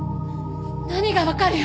何が「わかる」よ。